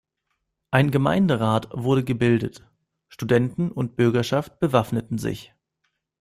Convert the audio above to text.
Ein Gemeinderat wurde gebildet, Studenten und Bürgerschaft bewaffneten sich.